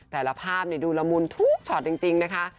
แต่ละภาพดูละมุนทุกช็อตจริงนะคะ